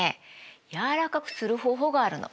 柔らかくする方法があるの。